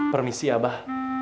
permisi ya abah